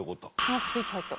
何かスイッチ入った。